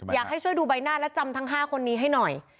อยากให้ช่วยดูใบหน้าและจำทั้ง๕คนนี้ให้หน่อย